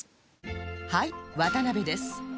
はい渡辺です